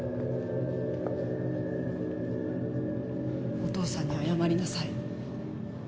お父さんに謝りなさい。